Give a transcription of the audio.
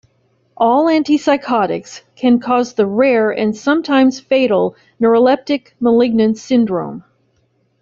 All antipsychotics can cause the rare and sometimes fatal neuroleptic malignant syndrome.